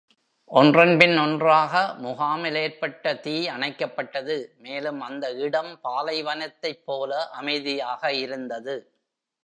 ஒன்றன்பின் ஒன்றாக, முகாமில் ஏற்பட்ட தீ அணைக்கப்பட்டது, மேலும் அந்த இடம் பாலைவனத்தைப் போல அமைதியாக இருந்தது.